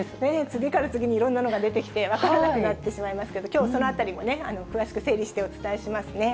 次から次にいろんなのが出てきて、分からなくなってしまいますけど、きょうはそのあたりも詳しく整理してお伝えしますね。